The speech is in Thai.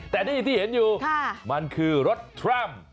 แต่นี่ที่เห็นอยู่มันคือรถทรัมป์